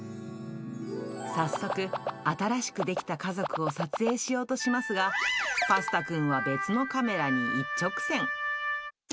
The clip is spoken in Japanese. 早速、新しく出来た家族を撮影しようとしますが、パスタくんは別のカメラに一直線。